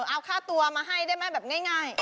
เอาค่าตัวมาให้ได้ไหมแบบง่าย